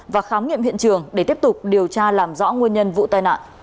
và khám nghiệm hiện trường để tiếp tục điều tra làm rõ nguyên nhân vụ tai nạn